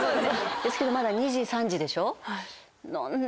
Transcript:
ですけどまだ２時３時でしょ？